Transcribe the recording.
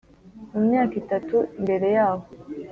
Mu myaka itatu mbere yaho